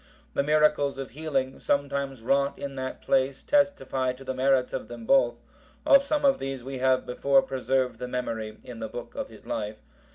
The miracles of healing, sometimes wrought in that place testify to the merits of them both; of some of these we have before preserved the memory in the book of his life.